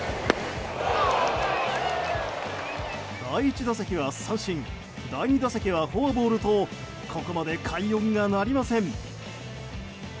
第１打席は三振第２打席はフォアボールとここまで快音が鳴りません。